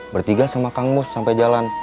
bertiga sama kang mus sampai jalan